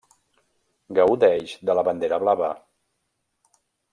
Gaudeix de la bandera blava.